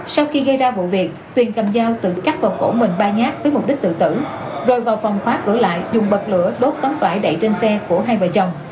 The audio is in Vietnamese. sau khi gây ra vụ việc tuyền cầm dao tự cắt vào cổ mình ba nhát với mục đích tự tử rồi vào phòng khóa cửa lại dùng bật lửa đốt tấm vải đẩy trên xe của hai vợ chồng